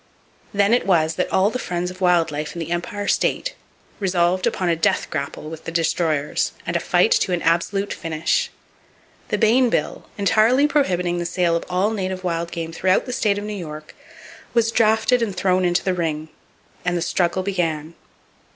Then it was that all the friends of wild life in the Empire State resolved upon a death grapple with the Destroyers, and a fight to an absolute finish. The Bayne bill, entirely prohibiting the sale of all native wild game throughout the state of New York, was drafted and [Page 308] thrown into the ring, and the struggle began.